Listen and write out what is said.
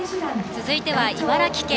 続いては茨城県。